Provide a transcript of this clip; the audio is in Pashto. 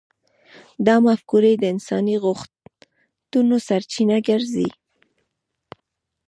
دا مفکورې د انساني غوښتنو سرچینه ګرځي.